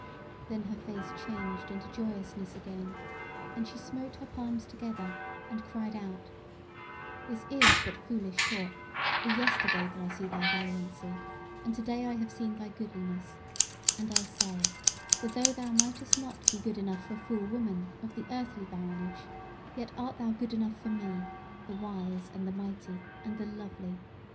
Then her face changed into joyousness again, and she smote her palms together, and cried out: "This is but foolish talk; for yesterday did I see thy valiancy, and to day I have seen thy goodliness; and I say, that though thou mightest not be good enough for a fool woman of the earthly baronage, yet art thou good enough for me, the wise and the mighty, and the lovely.